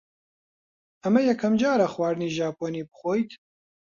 ئەمە یەکەم جارە خواردنی ژاپۆنی بخۆیت؟